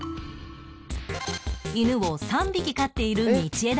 犬を３匹飼っている道枝くん